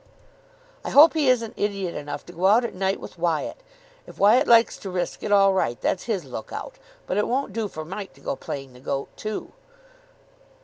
"I hope he isn't idiot enough to go out at night with Wyatt. If Wyatt likes to risk it, all right. That's his look out. But it won't do for Mike to go playing the goat too."